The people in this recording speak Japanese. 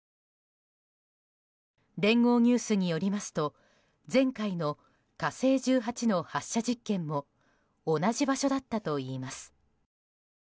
聯合ニュースによりますと前回の「火星１８」の発射実験も同じ場所だったといいます。